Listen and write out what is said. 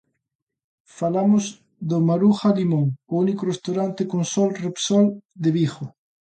Falamos do Maruja Limón, o único restaurante con Sol Repsol de Vigo.